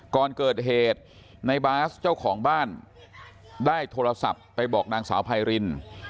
ก่อนเกิดเหตุในบาสเจ้าของบ้านได้โทรศัพท์ไปบอกนางสาวไพริน